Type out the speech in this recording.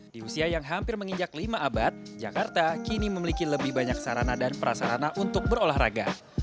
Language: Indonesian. di usia yang hampir menginjak lima abad jakarta kini memiliki lebih banyak sarana dan prasarana untuk berolahraga